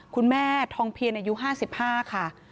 คุณแม่ทองเพียรอายุห้าสิบห้าค่ะ